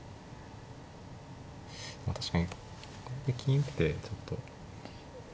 まあ確かにこれで金打ってちょっと。